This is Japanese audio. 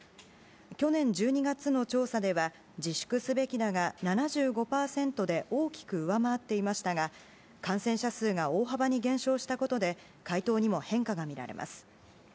去年１２月の調査では自粛すべきだが７５％で大きく上回っていましたが感染者数が大幅に減少したことで回答にも変化が見られます。